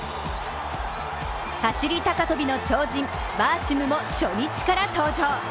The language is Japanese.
走り高跳びの超人、バーシムも初日から登場。